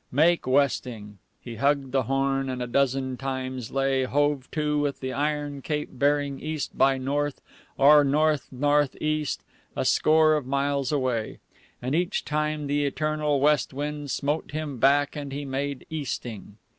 Make westing! He hugged the Horn, and a dozen times lay hove to with the iron Cape bearing east by north, or north north east, a score of miles away. And each time the eternal west wind smote him back and he made easting.